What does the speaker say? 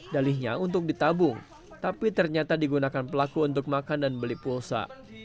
dalihnya untuk ditabung tapi ternyata digunakan pelaku untuk makan dan beli pulsa